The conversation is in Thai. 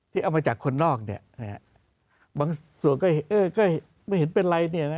ที่เอามาจากคนนอกเนี่ยบางส่วนก็ไม่เห็นเป็นไรเนี่ย